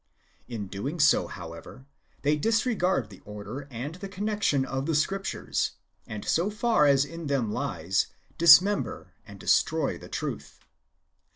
In doing so, however, they disrefrard the order and the connection of the Scriptures, and so far as in them lies, dismember and destroy the truth.